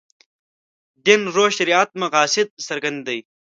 دین روح شریعت مقاصد څرګند دي.